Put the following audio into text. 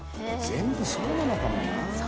全部そうなのかもなぁ。